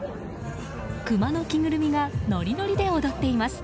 クマの着ぐるみがノリノリで踊っています。